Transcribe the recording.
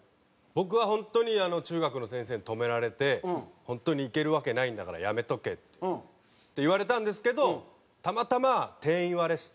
僕は本当に中学の先生に止められて本当に行けるわけないんだからやめとけって言われたんですけどたまたま定員割れして。